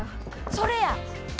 それや！